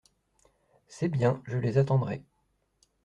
C’est bien ; je les attendrai…